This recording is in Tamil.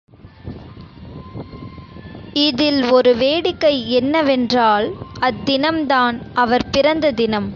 இதில் ஒரு வேடிக்கை என்னவென்றால், அத்தினம்தான் அவர் பிறந்த தினம்.